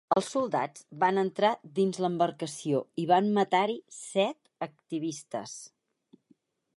Els soldats van entrar dins l’embarcació i van matar-hi set activistes.